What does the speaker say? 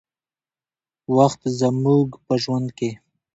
وخت زموږ په ژوند کې